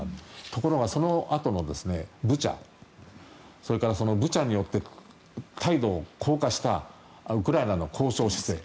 ところが、そのあとのブチャそれからブチャによって態度を硬化したウクライナの交渉姿勢。